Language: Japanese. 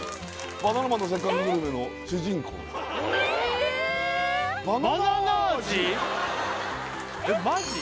「バナナマンのせっかくグルメ！！」の主人公えっえっマジ？